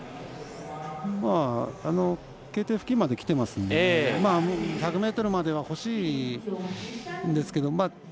Ｋ点付近まで来ていますので１００ｍまではほしいんですけど。